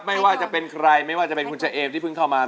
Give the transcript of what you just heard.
ไม่ว่าจะเป็นใครไม่ว่าจะเป็นคุณเฉเอมที่เพิ่งเข้ามา